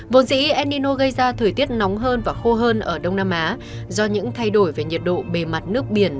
bộ dĩ enino gây ra thời tiết nóng hơn và khô hơn ở đông nam á do những thay đổi về nhiệt độ bề mặt nước biển